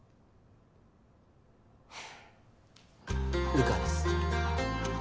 流川です。